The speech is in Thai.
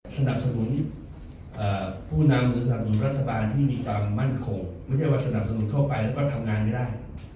สนับสนุนผู้นำหรือสนับสนุนรัฐบาลที่มีความมั่นคงไม่ใช่ว่าสนับสนุนทั่วไปแล้วก็ทำงานไม่ได้